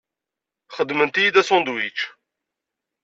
Xedmemt-iyi-d asandwič.